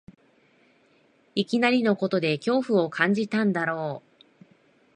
いきなりのことで恐怖を感じたんだろう